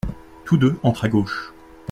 Tous deux entrent à gauche.